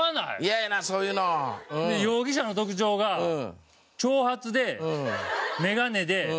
イヤやなそういうの。で容疑者の特徴が長髪で眼鏡で小太りやって。